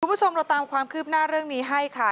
คุณผู้ชมเราตามความคืบหน้าเรื่องนี้ให้ค่ะ